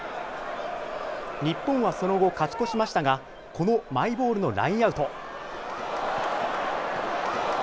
日本はその後、勝ち越しましたが、このマイボールのラインアウト。